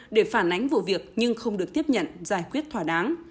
để phản ánh vụ việc nhưng không được tiếp nhận giải quyết thỏa đáng